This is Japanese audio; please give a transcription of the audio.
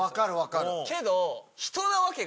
けど。